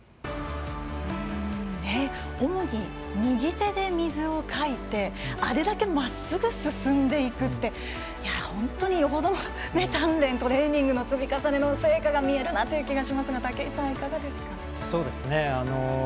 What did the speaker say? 主に右手で水をかいてあれだけまっすぐ進んでいくって本当によほどの鍛練トレーニングの積み重ねの成果が見えるなという気がしますが武井さん、いかがですか？